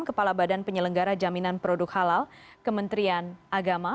kepala badan penyelenggara jaminan produk halal kementerian agama